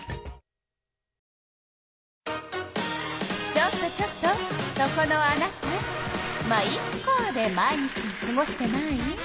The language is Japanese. ちょっとちょっとそこのあなた「ま、イッカ」で毎日をすごしてない？